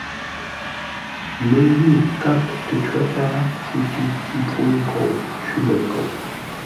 Məngwʉ̂ kâp tə có tǎa fû tʉ́ mpfúŋ nkou cwímənkoʼ.